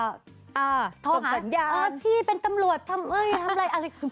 ส่งสัญญาณส่งสัญญาณพี่เป็นตำรวจทำอะไรอะไร